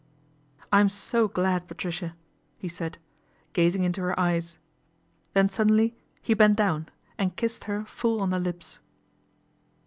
" I am so glad, Patricia," he said, gazing into her eyes, then suddenly he bent down and kissed her full on the lips.